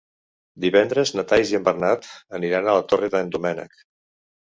Divendres na Thaís i en Bernat aniran a la Torre d'en Doménec.